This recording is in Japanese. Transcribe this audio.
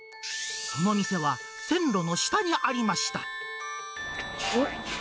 その店は、線路の下にありまえっ？